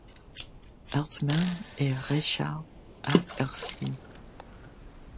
Hartmann et Reichhard, à Erstein.